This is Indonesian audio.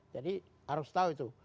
jadi harus tahu itu